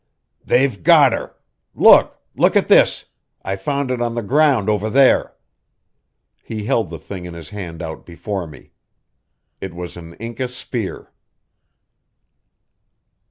"They've got her! Look! Look at this! I found it on the ground over there." He held the thing in his hand out before me. It was an Inca spear.